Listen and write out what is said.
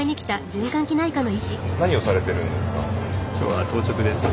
何をされてるんですか？